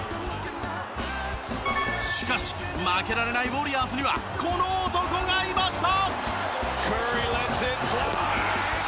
しかし負けられないウォリアーズにはこの男がいました！